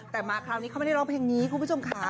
แต่มาคราวนี้เขาไม่ได้ร้องเพลงนี้คุณผู้ชมค่ะ